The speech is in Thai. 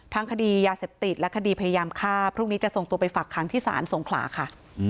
คดียาเสพติดและคดีพยายามฆ่าพรุ่งนี้จะส่งตัวไปฝักค้างที่ศาลสงขลาค่ะ